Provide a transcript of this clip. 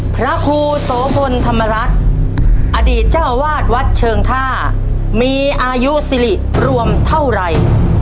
พระครูโสพลธรรมรัฐอดีตเจ้าวาดวัดเชิงท่ามีอายุสิริรวมเท่าไหร่